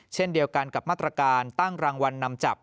เช่นเดียวกันกับมาตรการตั้งรางวัลนำจับ